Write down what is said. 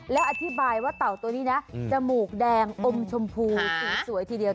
แล้วอธิบายว่าเต่าตัวนี้นะจมูกแดงอมชมพูสีสวยทีเดียว